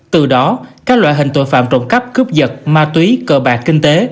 từ đó các loại hình tội phạm trộm cắp cướp giật ma túy cờ bạc kinh tế